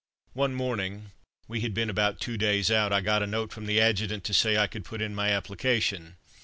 One morning (we had been about two days out) I got a note from the Adjutant to say I could put in my application.